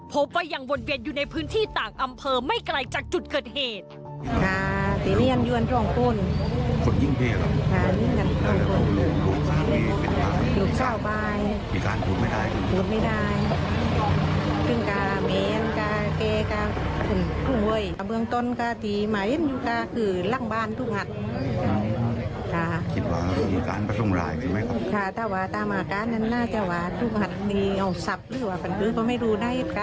พบว่ายังวนเวียนอยู่ในพื้นที่ต่างอำเภอไม่ไกลจากจุดเกิดเหตุ